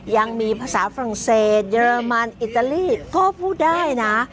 ยังมีภาษาฝรั่งเศสเยอรมันอิตาลีก็พูดได้นะ